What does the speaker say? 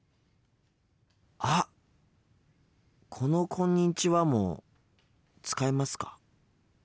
あっこの「こんにちは」も使いますか？